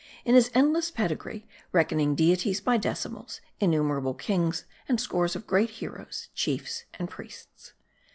In his endless pedigree, reckoning deities by decimals, innumerable kings, and scores of great heroes, chiefs, and priests.